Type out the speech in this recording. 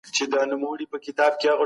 خان په دې ډېر خواشینی سو